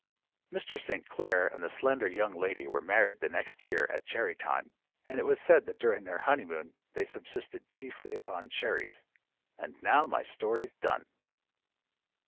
Mr. St. Clair and the slender young lady were married the next year at cherry time, and it was said that during their honey moon they subsisted chiefly upon cherries. And now my story's done.